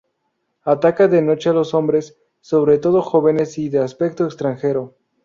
Ataca de noche a los hombres, sobre todo jóvenes y de aspecto extranjero.